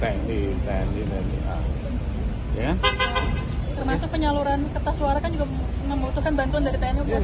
termasuk penyaluran kertas suara kan juga membutuhkan bantuan dari pmi